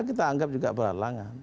kita anggap juga berhalangan